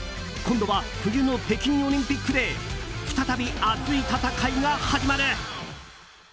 今度は冬の北京オリンピックで再び熱い戦いが始まる。